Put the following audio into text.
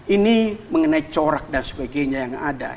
ini mengenai corak dan sebagainya yang ada